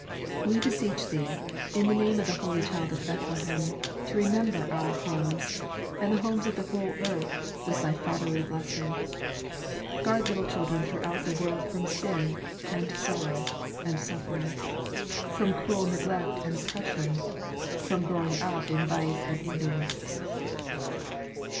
We beseech Thee, in the name of the Holy Child of Bethlehem, to remember our homes and the homes of the whole earth with Thy Fatherly blessing. Guard little children throughout the world from sin and sorrow and suffering, from cruel neglect and oppression, from growing up in vice and ignorance.